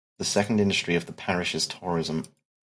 The second industry of the parish is tourism.